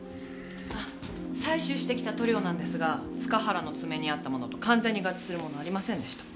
採取してきた塗料なんですが塚原のつめにあったものと完全に合致するものはありませんでした。